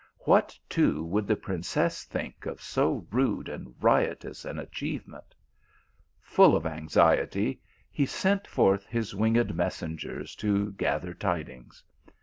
What, too, would the princess think of so rude and riotous an achievement? Full of anxiety, he sent forth his winged messengers to gather tidings.